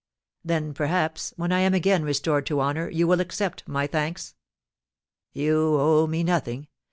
Then, perhaps, when I am again restored to honour you will accept my thanks?" "You owe me nothing.